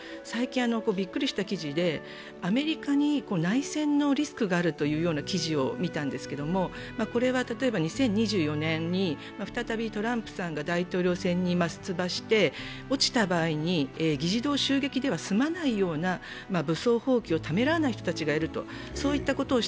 最近びっくりした記事で、アメリカに内戦のリスクがあるという記事を見たんですけれどもこれは例えば２０２４年に再びトランプさんが大統領選に出馬して落ちた場合に議事堂襲撃では済まないような武装蜂起をためらわない人たちがいると。